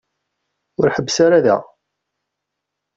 Ur ḥebbes ara da.